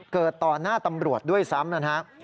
เกิดต่อหน้าตำรวจด้วยซ้ำนะครับ